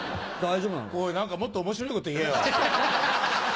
おい何かもっと面白いこと言えよ。